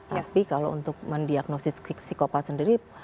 tapi kalau untuk mendiagnosis psikopat sendiri